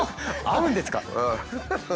会うんですか？